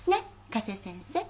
加瀬先生。